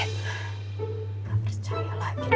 gak percaya lagi jessy